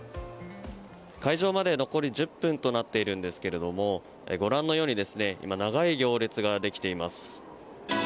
開場まで残り１０分となっているんですがご覧のように今、長い行列ができています。